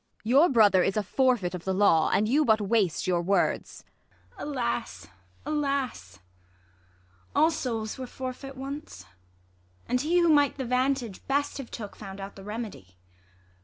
Ang. Your brother is a forfeit of the law ; And you but waste your words. IsAB. Alas, alas ! all souls were forfeit once ; And he who might the vantage best have took Found out the remedy.